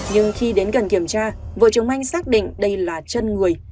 nhưng khi đến gần kiểm tra vợ chồng anh xác định đây là chân người